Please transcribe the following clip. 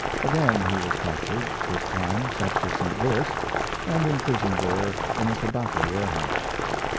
Again he was captured, this time sent to St. Louis, and imprisoned there in a tobacco warehouse.